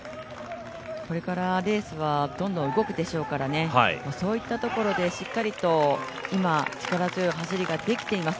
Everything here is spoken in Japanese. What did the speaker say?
これからレースはどんどん動くでしょうからね、そういったところでしっかりと今、力強い走りができています。